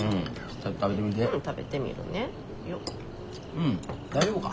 うん大丈夫か。